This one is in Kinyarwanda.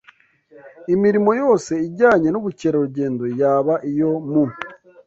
Imirimo yose ijyanye n’ubukerarugendo yaba iyo mu